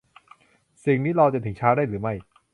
สิ่งนี้รอจนถึงเช้าได้หรือไม่